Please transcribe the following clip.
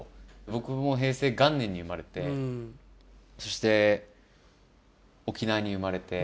僕も平成元年に生まれてそして沖縄に生まれて。